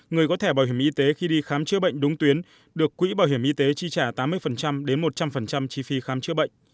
người có thẻ bảo hiểm y tế khi đi khám chữa bệnh đúng tuyến được quỹ bảo hiểm y tế chi trả tám mươi đến một trăm linh chi phí khám chữa bệnh